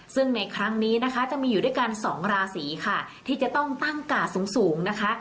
ซึ่งในครั้งนี้นะคะจะมีอยู่ด้วยกันสองราศีค่ะที่จะต้องตั้งกาดสูงนะคะ